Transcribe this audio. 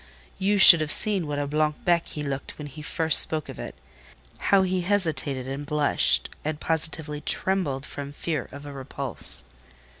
You should have seen what a blanc bec he looked when he first spoke of it: how he hesitated and blushed, and positively trembled from fear of a repulse."